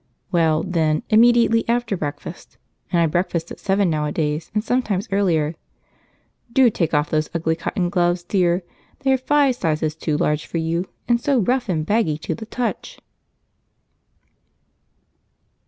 Well, then, immediately after breakfast, and I breakfast at seven nowadays, and sometimes earlier. Do take off those ugly cotton gloves, dear; they are five sizes too large for you, and so rough and baggy to the touch!"